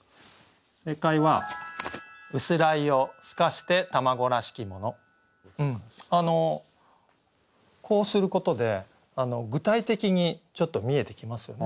正解はこうすることで具体的にちょっと見えてきますよね。